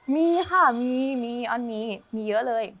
มีค่ะมีมีอันนี้มีเยอะเลย